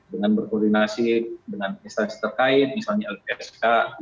dengan berkoordinasi dengan instansi terkait misalnya lpsk